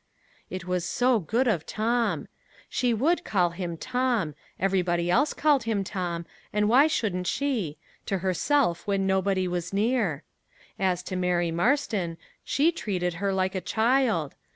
It was so good of Tom! She would call him Tom; everybody else called him Tom, and why shouldn't she to herself, when nobody was near? As to Mary Marston, she treated her like a child!